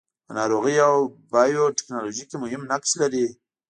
په ناروغیو او بیوټیکنالوژي کې مهم نقش لري.